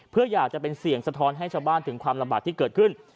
เพื่ออยากจะเป็นเสี่ยงสะท้อนให้ชาวบ้านถึงความลำบากที่เกิดขึ้น